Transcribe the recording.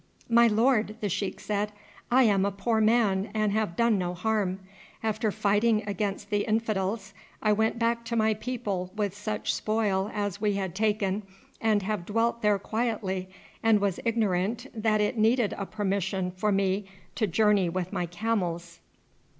"My lord," the sheik said, "I am a poor man and have done no harm. After fighting against the infidels I went back to my people with such spoil as we had taken and have dwelt there quietly, and was ignorant that it needed a permission for me to journey with my camels."